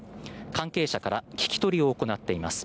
関係者から聞き取りを行っています。